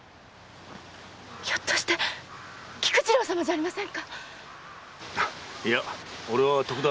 ひょっとして菊次郎様じゃありませんか⁉いや俺は徳田。